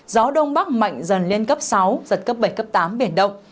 gió đông bắc mạnh dần lên cấp sáu giật cấp bảy cấp tám biển động